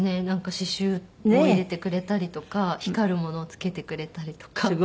なんか刺繍を入れてくれたりとか光るものをつけてくれたりとか。